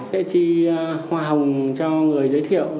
sẽ chi hoa hồng cho người giới thiệu